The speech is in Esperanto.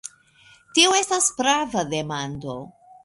Tio estas prava demando.